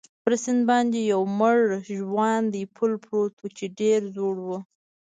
پر سیند باندې یو مړ ژواندی پل پروت وو، چې ډېر زوړ وو.